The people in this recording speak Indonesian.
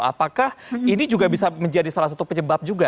apakah ini juga bisa menjadi salah satu penyebab juga